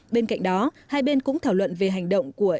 bên cạnh đó hai bên cũng thảo luận về hành động của